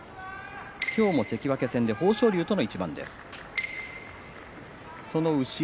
今日も関脇戦で豊昇龍との一番です。